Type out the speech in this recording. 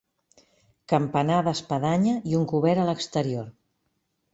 Campanar d'espadanya i un cobert a l'exterior.